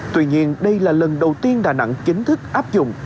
tuy nhiên đây là lần đầu tiên đà nẵng chính thức áp dụng